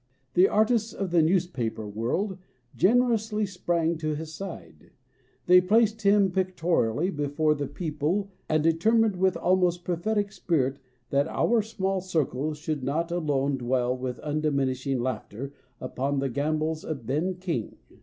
The artists of the newspaper world generously sprang to his side ; they placed him pictorially before the people, and determined, with almost prophetic spirit, that our small circle should not alone dwell with undiminishing laughter upon the gambols of Ben King.